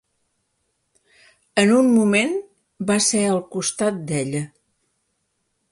En un moment va ser al costat d'ella.